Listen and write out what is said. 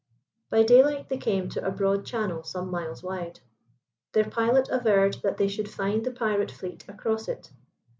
By daylight they came to a broad channel some miles wide. Their pilot averred that they should find the pirate fleet across it.